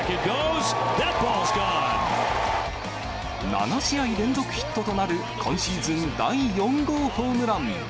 ７試合連続ヒットとなる今シーズン第４号ホームラン。